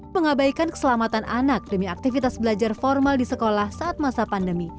mengabaikan keselamatan anak demi aktivitas belajar formal di sekolah saat masa pandemi